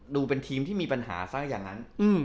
ดูเป็นทีมที่มีปัญหาซะอย่างนั้น